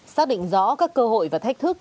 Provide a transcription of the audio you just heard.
xác định rõ các cơ hội và thách thức